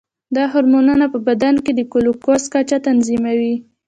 دا هورمونونه په بدن کې د ګلوکوز کچه تنظیموي.